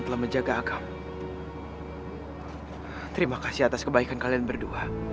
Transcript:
terima kasih atas kebaikan kalian berdua